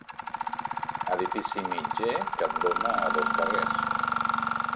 Edifici mitger que dóna a dos carrers.